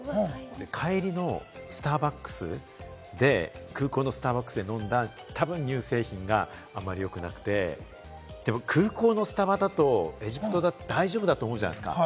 帰りのスターバックスで、空港のスターバックスで飲んだ、たぶん乳製品があんまりよくなくて、空港のスタバだと、エジプトだと大丈夫だと思うじゃないですか？